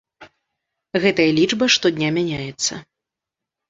Гэтая лічба штодня мяняецца.